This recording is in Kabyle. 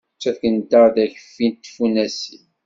Ttakent-aɣ-d akeffi tfunasin.